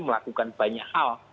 melakukan banyak hal